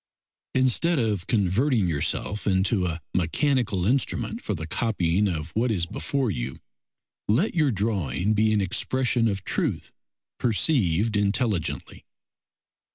Instead of converting yourself into a mechanical instrument for the copying of what is before you, let your drawing be an expression of truth perceived intelligently.